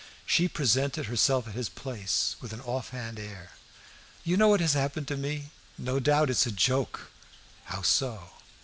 She presented herself at his place with an offhand air. "You know what has happened to me? No doubt it's a joke!" "How so?"